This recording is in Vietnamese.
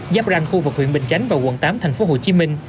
giáp ranh khu vực huyện bình chánh và quận tám tp hcm